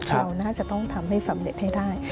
เราน่าจะต้องทำให้สำเร็จให้ได้